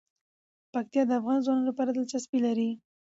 پکتیا د افغان ځوانانو لپاره دلچسپي لري.